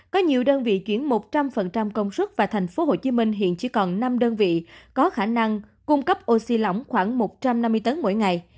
có nhiều đơn vị chuyển một trăm linh công suất và tp hcm hiện chỉ còn năm đơn vị có khả năng cung cấp oxy lỏng khoảng một trăm năm mươi tấn mỗi ngày